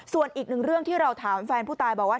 ส่วนอีกหนึ่งเรื่องที่เราถามแฟนผู้ตายบอกว่า